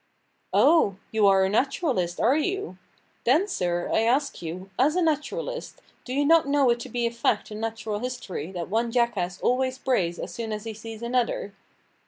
"Oh! you are a naturalist, are you? Then, sir, I ask you, as a naturalist, do you not know it to be a fact in natural history that one jackass always brays as soon as he sees another?"